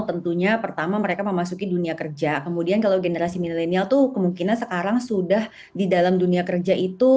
tentunya pertama mereka memasuki dunia kerja kemudian kalau generasi milenial itu kemungkinan sekarang sudah di dalam dunia kerja itu